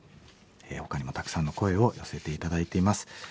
ほかにもたくさんの声を寄せて頂いています。